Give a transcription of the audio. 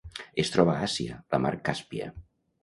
Es troba a Àsia: la Mar Càspia.